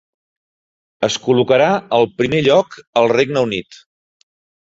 Es col·locarà al primer lloc al Regne Unit.